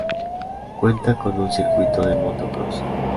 Cuenta con un circuito de moto-cross.